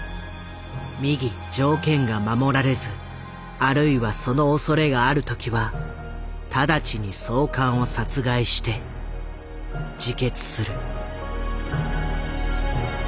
「右条件が守られずあるいはそのおそれがある時はただちに総監を殺害して自決する」。